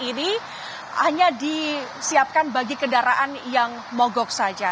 ini hanya disiapkan bagi kendaraan yang mogok saja